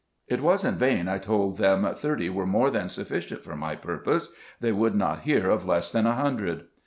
It was in vain I told them, thirty were more than sufficient for my purpose ; they would not hear of less than a hundred.